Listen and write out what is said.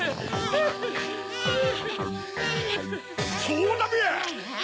そうだべ！